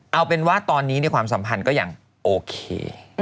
เอาเป็นว่าตอนนี้ในความสัมพันธ์ก็ยังโอเค